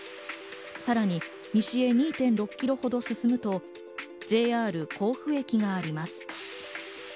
さらに西へ２．６ｋｍほど進むとＪＲ甲府駅があります。